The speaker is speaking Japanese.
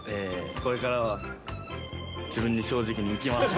これからは、自分に正直にいきます。